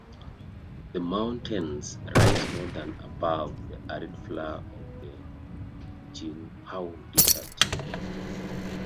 The mountains rise more than above the arid floor of the Chihuahuan Desert.